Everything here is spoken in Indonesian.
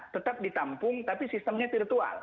tetap ditampung tapi sistemnya virtual